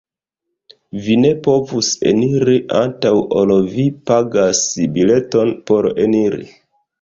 Vi ne povus eniri antaŭ ol vi pagas bileton por eniri.